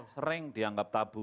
sering dianggap tabu